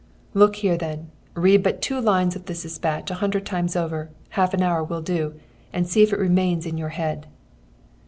"'Look here, then! Read but two lines of this despatch a hundred times over, half an hour will do, and see if it remains in your head.'